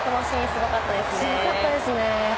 すごかったですね。